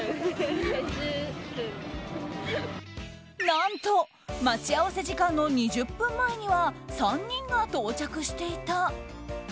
何と、待ち合わせ時間の２０分前には３人が到着していた。